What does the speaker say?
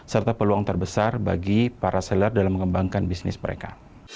serta peluang terbesar bagi para seller dalam mengembangkan bisnis mereka